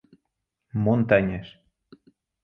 Montanhas